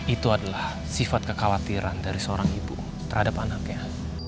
itu adalah sifat kekhawatiran dari seorang ibu terhadap anaknya